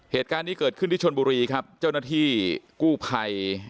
เหตุการณ์นี้เกิดขึ้นที่ชนบุรีครับเจ้าหน้าที่กู้ภัย